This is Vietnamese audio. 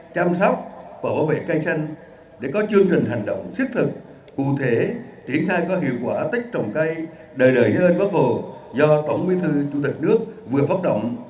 chăm sóc và bảo vệ cây xanh để có chương trình hành động xích thực cụ thể triển khai có hiệu quả tách trồng cây đời đời như hên bất hồ do tổng bí thư chủ tịch nước vừa phát động